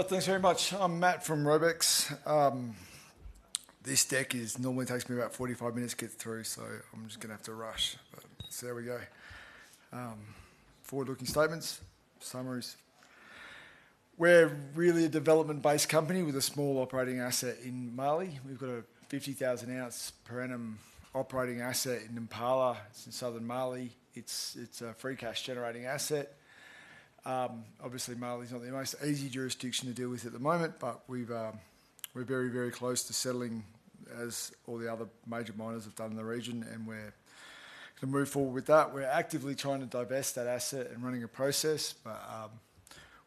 Thanks very much. I'm Matthew from Robex. This deck normally takes me about 45 minutes to get through, so I'm just gonna have to rush. Here we go. Forward-looking statements, summaries. We're really a development-based company with a small operating asset in Mali. We've got a 50,000-ounce per annum operating asset in Nampala. It's in southern Mali. It's a free cash-generating asset. Obviously, Mali is not the most easy jurisdiction to deal with at the moment, but we're very, very close to settling, as all the other major miners have done in the region, and we're gonna move forward with that. We're actively trying to divest that asset and running a process, but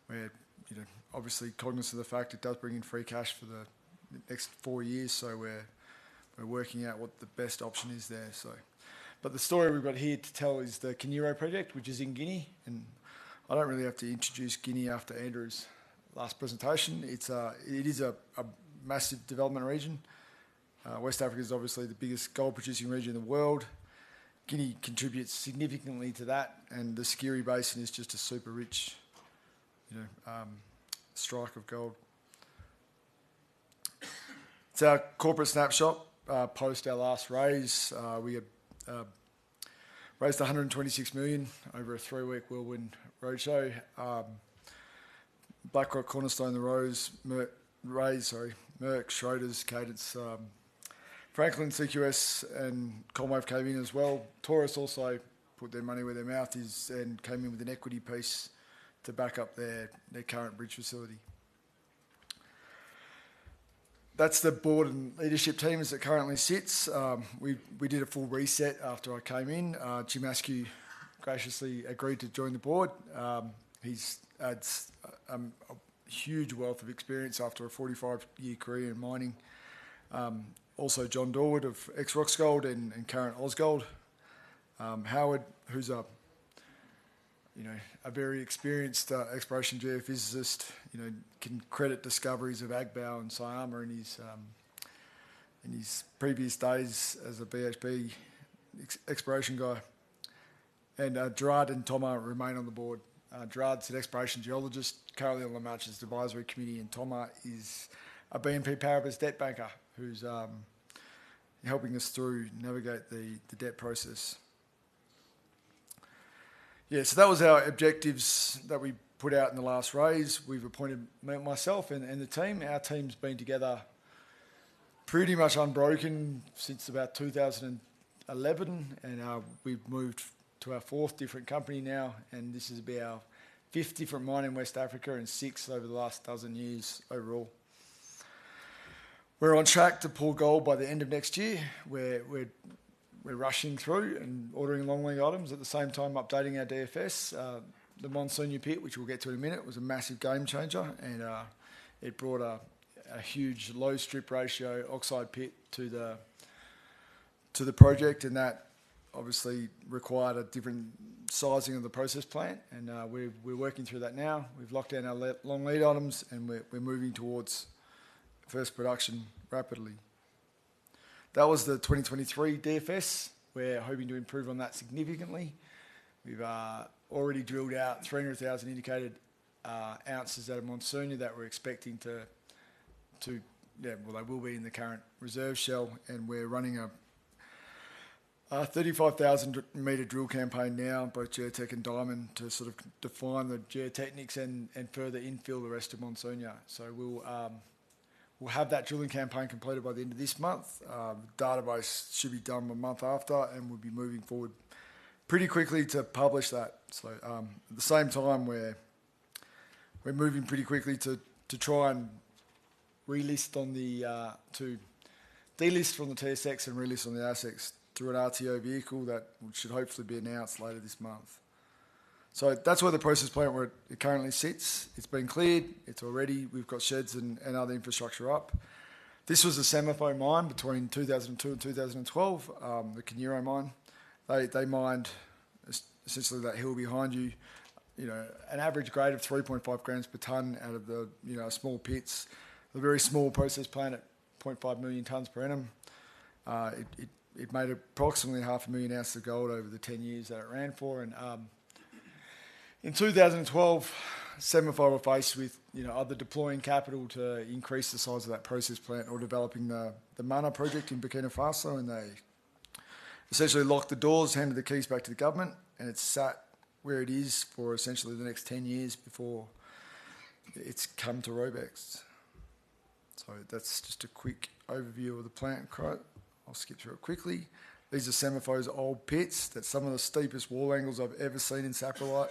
we're, you know, obviously cognizant of the fact it does bring in free cash for the next four years, so we're working out what the best option is there. The story we've got here to tell is the Kiniero project, which is in Guinea. I don't really have to introduce Guinea after Andrew's last presentation. It is a massive development region. West Africa is obviously the biggest gold-producing region in the world. Guinea contributes significantly to that, and the Siguiri Basin is just a super rich, you know, strike of gold. It is our corporate snapshot post our last raise. We raised 126 million over a three-week whirlwind roadshow. BlackRock, Cornerstone, T. Rowe, sorry, Merk, Schroders, Caisse, Franklin, CQS, and Cormark came in as well. Taurus also put their money where their mouth is and came in with an equity piece to back up their current bridge facility. That's the board and leadership team as it currently sits. We did a full reset after I came in. Jim Askew graciously agreed to join the board. He adds a huge wealth of experience after a forty-five-year career in mining. Also, John Dorward of Roxgold and current Ausgold. Howard, who's a very experienced exploration geophysicist, you know, to his credit discoveries of Agbaou and Syama in his previous days as a BHP ex-exploration guy. Gérard and Thomas remain on the board. Gérard's an exploration geologist, currently on the Murchison advisory committee, and Thomas is a BNP Paribas debt banker, who's helping us navigate the debt process. Yeah, so that was our objectives that we put out in the last raise. We've appointed myself and the team. Our team's been together pretty much unbroken since about 2011, and we've moved to our fourth different company now, and this is about our fifth different mine in West Africa and sixth over the last thousand years overall. We're on track to pull gold by the end of next year. We're rushing through and ordering long lead items, at the same time, updating our DFS. The Mansounia pit, which we'll get to in a minute, was a massive game changer, and it brought a huge low strip ratio, oxide pit to the project, and that obviously required a different sizing of the process plant, and we're working through that now. We've locked in our long lead items, and we're moving towards first production rapidly. That was the 2023 DFS. We're hoping to improve on that significantly. We've already drilled out 300,000 indicated ounces out of Mansounia that we're expecting to... Well, they will be in the current reserve shell, and we're running a 35,000-meter drill campaign now, both geotech and diamond, to sort of define the geotechnics and further infill the rest of Mansounia. So we'll have that drilling campaign completed by the end of this month. The database should be done a month after, and we'll be moving forward pretty quickly to publish that. So, at the same time, we're moving pretty quickly to try and de-list from the TSX and re-list on the ASX through an RTO vehicle. That should hopefully be announced later this month. So that's where the process plant where it currently sits. It's been cleared. It's all ready. We've got sheds and other infrastructure up. This was the SEMAFO mine between 2002 and 2012, the Kiniero mine. They mined essentially that hill behind you. You know, an average grade of three point five grams per ton out of the, you know, small pits. A very small process plant at 0.5 million tons per annum. It made approximately 500,000 ounces of gold over the ten years that it ran for. And in 2012, SEMAFO were faced with, you know, either deploying capital to increase the size of that process plant or developing the Mana project in Burkina Faso, and they essentially locked the doors, handed the keys back to the government, and it sat where it is for essentially the next ten years before it's come to Robex. So that's just a quick overview of the plant. Right, I'll skip through it quickly. These are SEMAFO's old pits. That's some of the steepest wall angles I've ever seen in saprolite.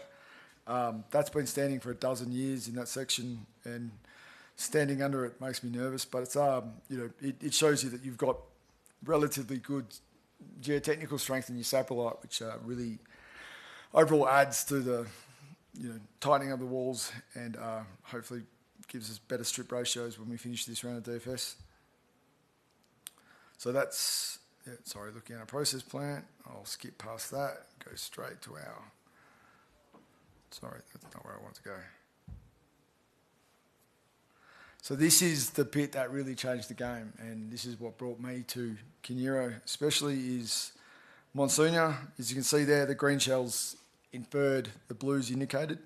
That's been standing for a dozen years in that section, and standing under it makes me nervous, but it's, you know, it shows you that you've got relatively good geotechnical strength in your saprolite, which really overall adds to the, you know, tightening of the walls and hopefully gives us better strip ratios when we finish this round of DFS. So that's. Yeah, sorry, looking at our process plant. I'll skip past that, go straight to our. Sorry, that's not where I want to go. So this is the pit that really changed the game, and this is what brought me to Kiniero, especially is Mansounia. As you can see there, the green shell's inferred, the blue's indicated.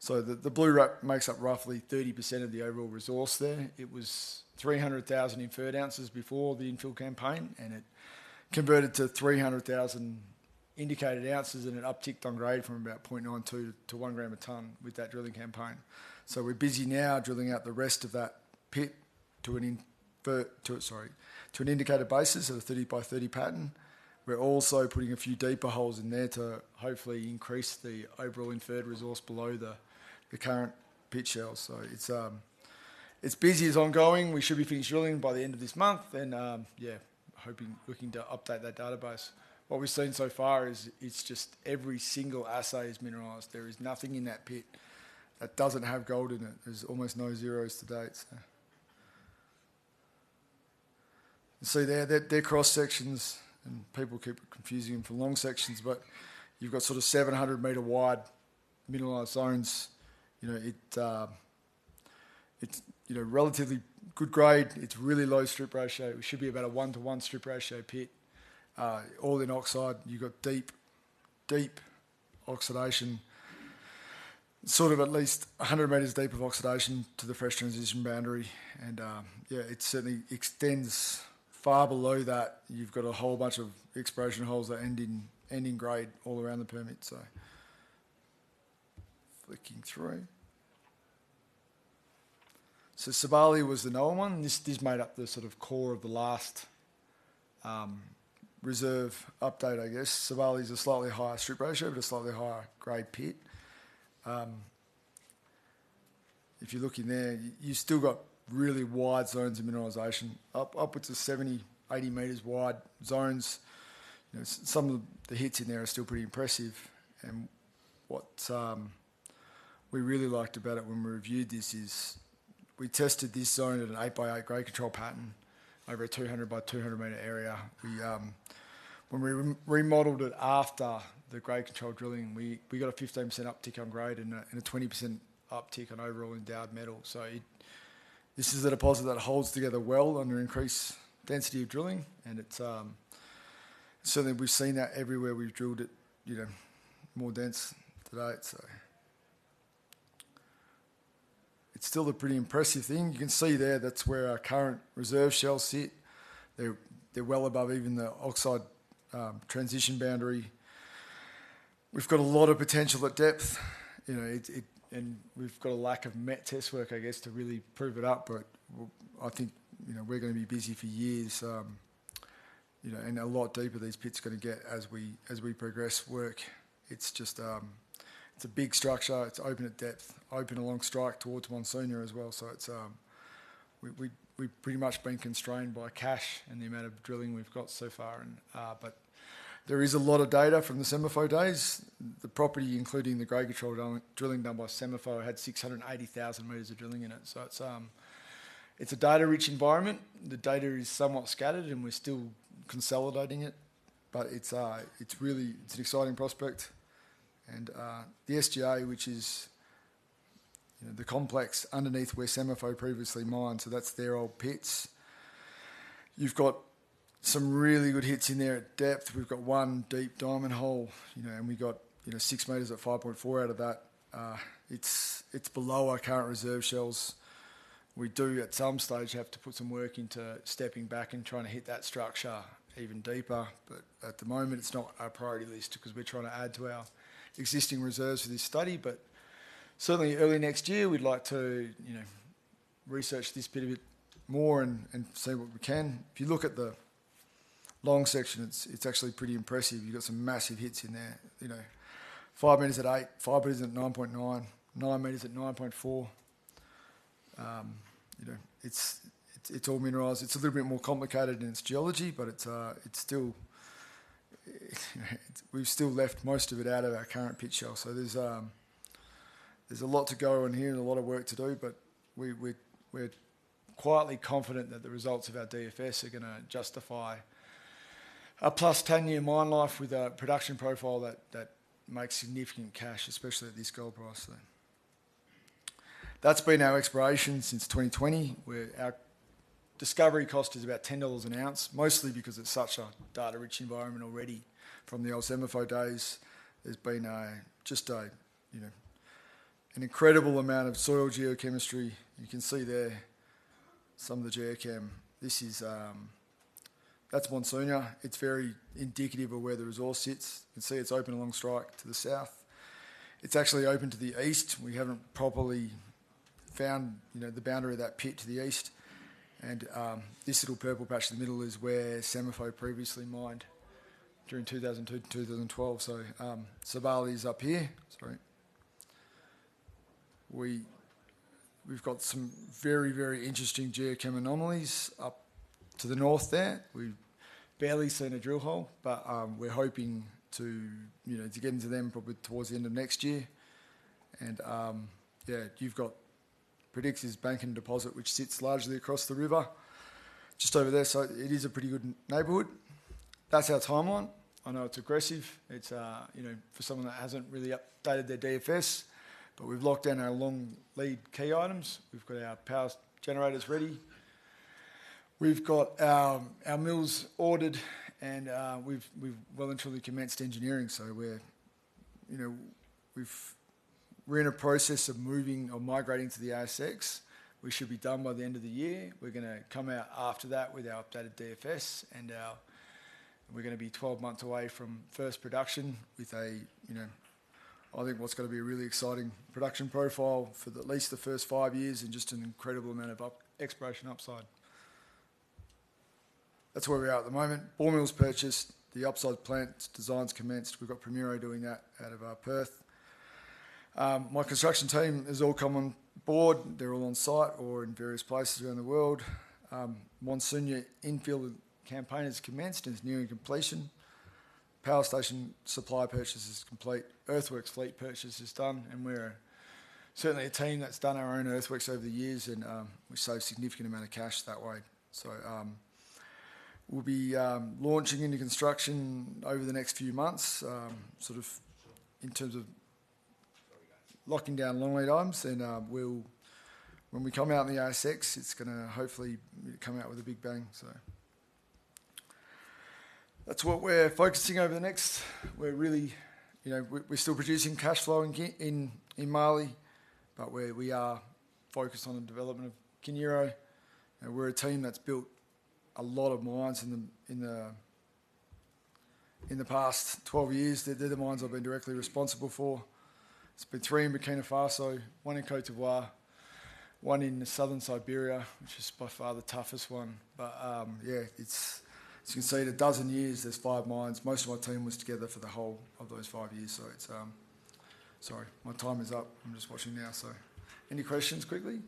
So the blue rock makes up roughly 30% of the overall resource there. It was 300,000 inferred ounces before the infill campaign, and it converted to 300,000 indicated ounces, and it upticked on grade from about 0.92-1 gram a ton with that drilling campaign. So we're busy now drilling out the rest of that pit to an indicated basis of a 30-by-30 pattern. We're also putting a few deeper holes in there to hopefully increase the overall inferred resource below the current pit shell. So it's busy, it's ongoing. We should be finished drilling by the end of this month, and yeah, hoping, looking to update that database. What we've seen so far is, it's just every single assay is mineralized. There is nothing in that pit that doesn't have gold in it. There's almost no zeros to date, so... You see there, they're cross-sections, and people keep confusing them for long sections, but you've got sort of 700-meter wide mineralized zones. You know, it's, you know, relatively good grade. It's really low strip ratio. It should be about a 1-to-1 strip ratio pit, all in oxide. You got deep, deep oxidation, sort of at least 100 meters deep of oxidation to the fresh transition boundary. And, yeah, it certainly extends far below that. You've got a whole bunch of exploration holes that end in grade all around the permit, so. Flicking through. So Sabali was the known one. This made up the sort of core of the last reserve update, I guess. Sabali's a slightly higher strip ratio, but a slightly higher grade pit. If you look in there, you still got really wide zones of mineralization, upwards of 70, 80 meters wide zones. You know, some of the hits in there are still pretty impressive, and what we really liked about it when we reviewed this is, we tested this zone at an eight-by-eight grade control pattern over a 200 by 200 meter area. When we remodeled it after the grade control drilling, we got a 15% uptick on grade and a 20% uptick on overall contained metal. So it... This is a deposit that holds together well under increased density of drilling, and it's certainly, we've seen that everywhere we've drilled it, you know, more dense to date, so. It's still a pretty impressive thing. You can see there, that's where our current reserve shells sit. They're well above even the oxide transition boundary. We've got a lot of potential at depth. You know, it. And we've got a lack of met test work, I guess, to really prove it up, but, well, I think, you know, we're gonna be busy for years, you know, and a lot deeper these pits are gonna get as we progress work. It's just, it's a big structure. It's open at depth, open along strike towards Mansounia as well. So it's. We've pretty much been constrained by cash and the amount of drilling we've got so far, and, but there is a lot of data from the SEMAFO days. The property, including the grade control drilling done by SEMAFO, had six hundred and eighty thousand meters of drilling in it. So it's a data-rich environment. The data is somewhat scattered, and we're still consolidating it, but it's really an exciting prospect. The SGA, which is, you know, the complex underneath where SEMAFO previously mined, so that's their old pits. You've got some really good hits in there at depth. We've got one deep diamond hole, you know, and we got, you know, six meters at five point four out of that. It's below our current reserve shells. We do, at some stage, have to put some work into stepping back and trying to hit that structure even deeper, but at the moment, it's not our priority list, 'cause we're trying to add to our existing reserves for this study. Certainly, early next year, we'd like to, you know, research this bit a bit more and see what we can. If you look at the long section, it's actually pretty impressive. You've got some massive hits in there. You know, five meters at eight, five meters at nine point nine, nine meters at nine point four. You know, it's all mineralized. It's a little bit more complicated in its geology, but it's still... We've still left most of it out of our current pit shell. So there's a lot to go on here and a lot of work to do, but we're quietly confident that the results of our DFS are gonna justify a plus 10-year mine life with a production profile that makes significant cash, especially at this gold price. That's been our exploration since 2020, where our discovery cost is about $10 an ounce, mostly because it's such a data-rich environment already from the old SEMAFO days. There's been just a you know an incredible amount of soil geochemistry. You can see there some of the geochem. This is... That's Mansounia. It's very indicative of where the resource sits. You can see it's open along strike to the south. It's actually open to the east. We haven't properly found you know the boundary of that pit to the east. And this little purple patch in the middle is where SEMAFO previously mined during 2002-2012. So Sabali is up here. Sorry. We've got some very very interesting geochem anomalies up to the north there. We've barely seen a drill hole, but we're hoping to, you know, to get into them probably towards the end of next year. And, yeah, you've got Predictive's Bankan deposit, which sits largely across the river, just over there, so it is a pretty good neighborhood. That's our timeline. I know it's aggressive. It's, you know, for someone that hasn't really updated their DFS, but we've locked in our long lead key items. We've got our power generators ready. We've got our mills ordered, and we've well and truly commenced engineering, so we're, you know, we're in a process of moving or migrating to the ASX, which should be done by the end of the year. We're gonna come out after that with our updated DFS and our... We're gonna be 12 months away from first production with a, you know, I think what's gonna be a really exciting production profile for at least the first five years and just an incredible amount of exploration upside. That's where we're at the moment. Ball mills purchased, the oxide plant designs commenced. We've got Primero doing that out of Perth. My construction team has all come on board. They're all on site or in various places around the world. Mansounia infill campaign has commenced and is nearing completion. Power station supply purchase is complete, earthworks fleet purchase is done, and we're certainly a team that's done our own earthworks over the years, and we save a significant amount of cash that way. So, we'll be launching into construction over the next few months, sort of in terms of locking down long lead items, and we'll. When we come out in the ASX, it's gonna hopefully come out with a big bang, so. That's what we're focusing over the next... We're really, you know, we're still producing cash flow in Kiniero in Mali, but we are focused on the development of Kiniero, and we're a team that's built a lot of mines in the past twelve years. They're the mines I've been directly responsible for. It's been three in Burkina Faso, one in Côte d'Ivoire, one in southern Siberia, which is by far the toughest one. But, yeah, it's, as you can see, in a dozen years, there's five mines. Most of my team was together for the whole of those five years, so it's sorry, my time is up. I'm just watching now, so any questions quickly?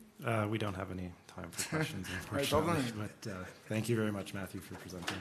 We don't have any time for questions unfortunately. No problem. But, thank you very much, Matthew, for presenting.